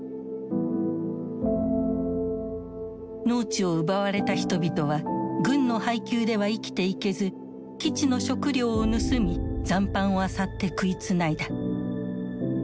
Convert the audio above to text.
農地を奪われた人々は軍の配給では生きていけず基地の食料を盗み残飯をあさって食いつないだ。